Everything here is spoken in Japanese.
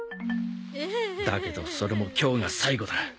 だけどそれも今日が最後だ。